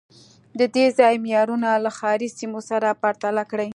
د دې ځای معیارونه له ښاري سیمو سره پرتله کړئ